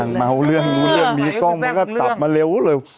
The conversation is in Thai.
เกรงเม้าเรื่องเรื่องมีกล้องมันก็ตับมาเร็วเลย